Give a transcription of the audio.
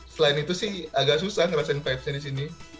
selain itu sih agak susah ngerasain vibesnya disini